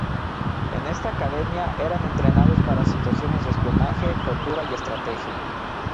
En esta academia eran entrenados para situaciones de espionaje, tortura y estrategia.